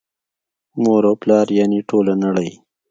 مور او پلار یعني ټوله نړۍ